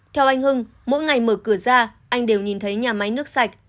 theo anh hưng mỗi ngày mở cửa ra anh đều nhìn thấy nhà máy nước sạch